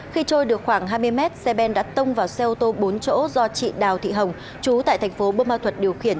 khi trôi được khoảng hai mươi mét xe ben đã tông vào xe ô tô bốn chỗ do chị đào thị hồng chú tại thành phố bơ ma thuật điều khiển